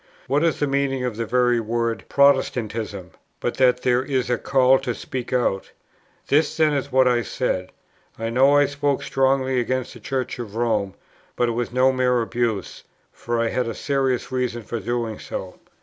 What is the meaning of the very word "Protestantism," but that there is a call to speak out? This then is what I said: "I know I spoke strongly against the Church of Rome; but it was no mere abuse, for I had a serious reason for doing so."